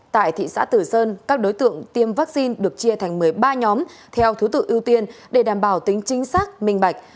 tại thị xã tử sơn các đối tượng tiêm vaccine được chia thành một mươi ba nhóm theo thứ tự ưu tiên để đảm bảo tính chính xác minh bạch